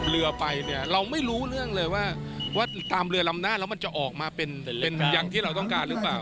เรือไปเนี่ยเราไม่รู้เรื่องเลยว่าตามเรือลำหน้าแล้วมันจะออกมาเป็นอย่างที่เราต้องการหรือเปล่า